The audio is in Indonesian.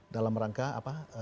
dalam rangka apa